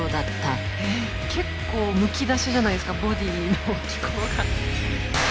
結構むき出しじゃないですかボディーの機構が。